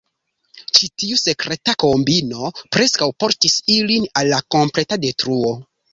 Ĉi tiu sekreta kombino preskaŭ portis ilin al la kompleta detruo.